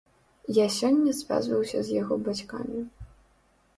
Я сёння звязваўся з яго бацькамі.